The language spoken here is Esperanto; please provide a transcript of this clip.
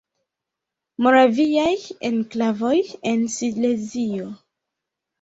Moraviaj enklavoj en Silezio.